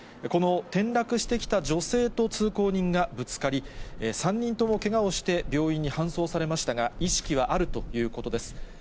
この転落してきた女性と通行人がぶつかり、３人ともけがをして、病院に搬送されましたが、意識はあるということです。